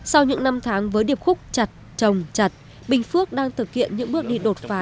sau những năm tháng với điệp khúc chặt trồng chặt bình phước đang thực hiện những bước đi đột phá